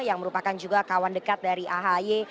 yang merupakan juga kawan dekat dari ahy